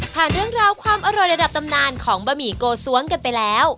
เรื่องราวความอร่อยระดับตำนานของบะหมี่โกซ้วงกันไปแล้ว